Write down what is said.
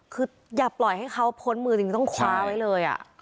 คืออย่าปล่อยให้เขาพ้นมือจริงต้องคว้าไว้เลย